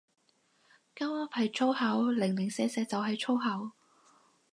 鳩噏係粗口，零零舍舍就係粗口